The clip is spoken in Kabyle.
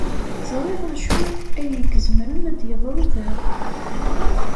Ẓriɣ d acu ay izemren ad yeḍru da.